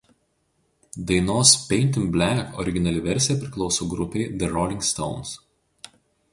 Dainos „Paint It Black“ originali versija priklauso grupei „The Rolling Stones“.